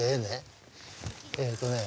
えっとね